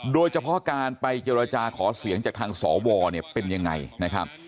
โดยเฉพาะการไปเจรจาขอเสียงจากทางสวเนี่ยเป็นยังไงนะครับ